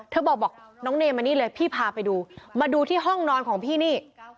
บอกบอกน้องเนมมานี่เลยพี่พาไปดูมาดูที่ห้องนอนของพี่นี่